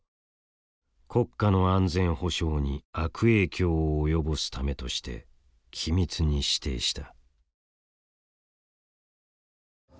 国家の安全保障に悪影響を及ぼすためとして機密に指定した。